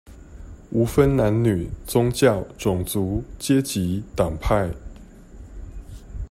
無分男女、宗教、種族、階級、黨派